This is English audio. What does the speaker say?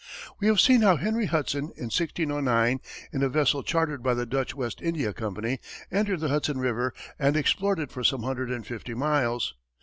We have seen how Henry Hudson, in 1609, in a vessel chartered by the Dutch West India Company, entered the Hudson river and explored it for some hundred and fifty miles.